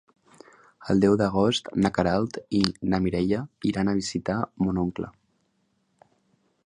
El deu d'agost na Queralt i na Mireia iran a visitar mon oncle.